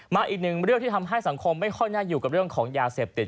อีกหนึ่งเรื่องที่ทำให้สังคมไม่ค่อยน่าอยู่กับเรื่องของยาเสพติด